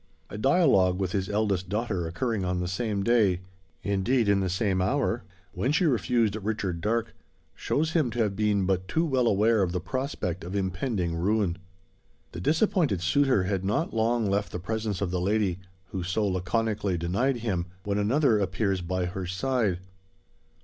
A dialogue with his eldest daughter occurring on the same day indeed in the same hour when she refused Richard Darke, shows him to have been but too well aware of the prospect of impending ruin. The disappointed suitor had not long left the presence of the lady, who so laconically denied him, when another appears by her side.